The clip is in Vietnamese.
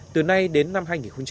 từ nay đến năm hai nghìn hai mươi